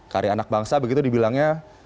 karya anak bangsa begitu dibilangnya